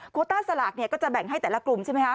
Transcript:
โคต้าสลากเนี่ยก็จะแบ่งให้แต่ละกลุ่มใช่ไหมคะ